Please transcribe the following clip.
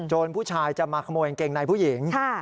ผู้ชายจะมาขโมยกางเกงในผู้หญิง